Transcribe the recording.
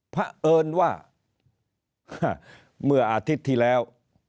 เพราะเอิญว่าเมื่ออาทิตย์ที่แล้ว